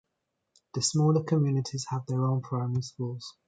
The smaller communities have their own primary schools.